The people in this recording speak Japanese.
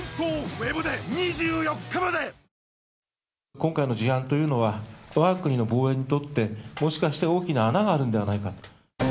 今回の事案というのは、わが国の防衛にとって、もしかして大きな穴があるんではないか。